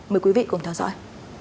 mời quý vị cùng theo dõi